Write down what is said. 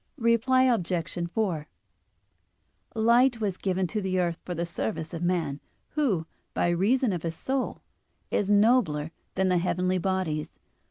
Reply Obj. 4: Light was given to the earth for the service of man, who, by reason of his soul, is nobler than the heavenly bodies.